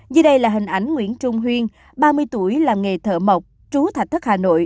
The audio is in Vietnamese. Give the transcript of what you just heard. dưới đây là hình ảnh nguyễn trung huyên ba mươi tuổi làng nghề thợ mộc trú thạch thất hà nội